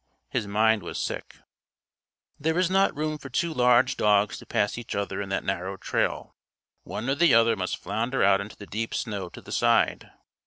His mind was sick. There was not room for two large dogs to pass each other in that narrow trail. One or the other must flounder out into the deep snow to the side.